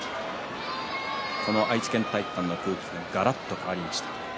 この愛知県体育館の空気ががらっと変わりました。